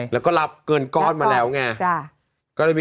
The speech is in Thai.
แล้วก็รับเงินก้อนมาแล้วไง